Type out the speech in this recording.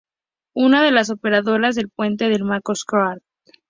Una de las operadoras del puente del Macross Quarter.